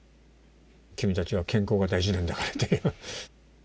君たちは健康が大事なんだからと。